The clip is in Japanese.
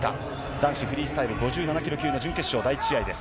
男子フリースタイル、５７キロ級の準決勝第１試合です。